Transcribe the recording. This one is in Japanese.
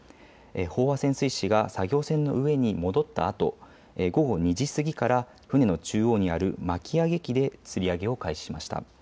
飽和潜水士が作業船の上に戻ったあと午後２時過ぎから船の中央にある巻き上げ機でつり上げを開始しました。